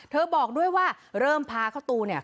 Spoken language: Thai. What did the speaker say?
บอกด้วยว่าเริ่มพาข้าวตูเนี่ย